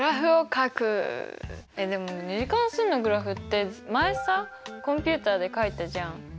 でも２次関数のグラフって前さコンピューターでかいたじゃん。